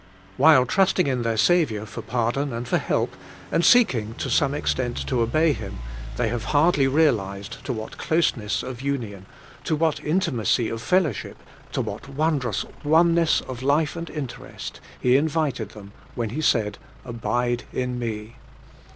While trusting in their Saviour for pardon and for help, and seeking to some extent to obey Him, they have hardly realized to what closeness of union, to what intimacy of fellowship, to what won drous oneness of life and interest. He invited them when He said, 'Abide in me.'